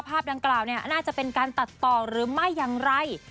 ภาพดังกล่าวเนี่ยน่าจะเป็นการตัดต่อหรือไม่อย่างไร